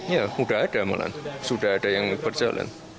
ya sudah ada malah sudah ada yang berjalan